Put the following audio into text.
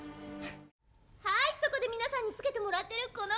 はいそこで皆さんに着けてもらってるこの首輪です！